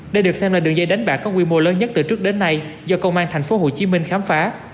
đây được xem là đường dây đánh bạc có quy mô lớn nhất từ trước đến nay do công an tp hcm khám phá